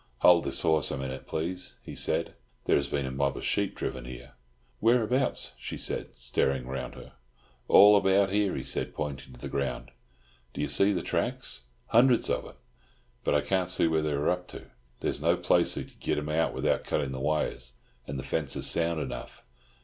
"Hold this horse a minute, please," he said. "There has been a mob of sheep driven here." "Whereabouts?" said she, staring round her. "All about here," he said, pointing to the ground. "Don't you see the tracks? Hundreds of 'em. But I can't see what they were up to. There's no place they could get 'em out without cutting the wires, and the fence is sound enough.